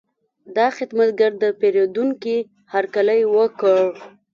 دا خدمتګر د پیرودونکي هرکلی وکړ.